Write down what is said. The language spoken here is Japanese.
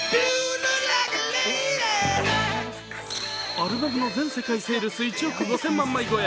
アルバムの全世界セールス１億５０００万枚超え。